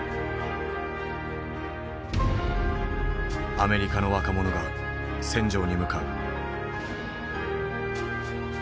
アメリカの若者が戦場に向かう。